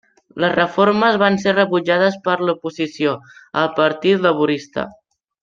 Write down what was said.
Les reformes van ser rebutjades per l'oposició, el partit laborista.